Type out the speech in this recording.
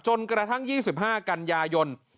จนกระทั่ง๒๕กันยายน